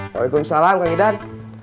waalaikumsalam kang idan